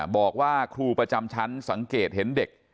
บอกว่าครูประจำชั้นสังเกตเห็นเด็ก